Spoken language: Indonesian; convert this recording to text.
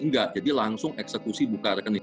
enggak jadi langsung eksekusi buka rekening